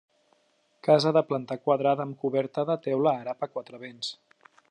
Casa de planta quadrada amb coberta de teula àrab a quatre vents.